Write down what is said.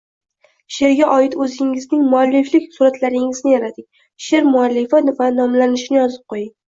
Sheʼrga oid o‘zingizning mualliflik suratlaringizni yarating, sheʼr muallifi va nomlanishini yozib qo‘ying.